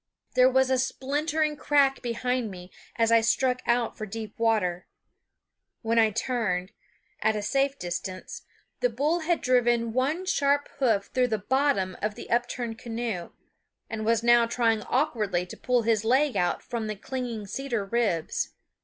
There was a splintering crack behind me as I struck out for deep water. When I turned, at a safe distance, the bull had driven one sharp hoof through the bottom of the upturned canoe, and was now trying awkwardly to pull his leg out from the clinging cedar ribs.